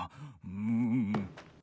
うん。